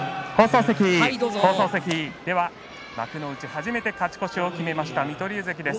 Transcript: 初めて勝ち越しを決めました水戸龍関です。